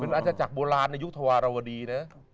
อาจจะจากโบราณในยุคธวารวดีนะ